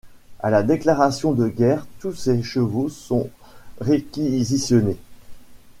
A la déclaration de guerre, tous ses chevaux sont réquisitionnés.